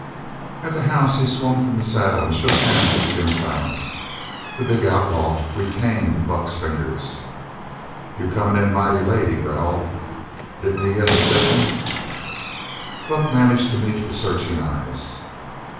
At the house he swung from the saddle and shook hands with Jim Silent. The big outlaw retained Buck's fingers. "You're comin' in mighty late," he growled, "Didn't you get the signal?" Buck managed to meet the searching eyes.